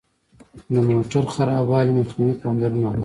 د موټر خرابوالي مخنیوی پاملرنه غواړي.